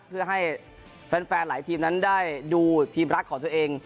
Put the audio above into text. เพื่อให้แฟนหลายทีมนั้นได้ดูทีมรักของตัวเอง